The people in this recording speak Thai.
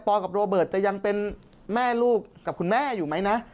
กับโรเบิร์ตจะยังเป็นแม่ลูกกับคุณแม่อยู่ไหมนะ